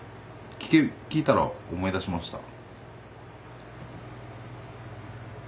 聞いたら思い出しました。